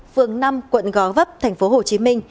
phường năm quận gó vấp tp hcm